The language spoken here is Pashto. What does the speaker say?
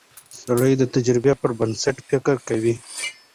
سړی د تجربې پر بنسټ فکر کوي